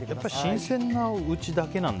新鮮なうちだけなんだ